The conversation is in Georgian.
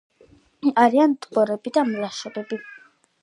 არის ტბორები და მლაშობები.